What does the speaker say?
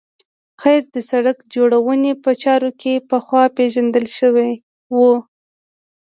قیر د سرک جوړونې په چارو کې پخوا پیژندل شوی و